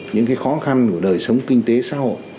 những khó khăn của đời sống kinh tế xã hội